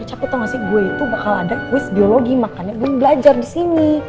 ya caput tau gak sih gue itu bakal ada kuis biologi makanya gue belajar disini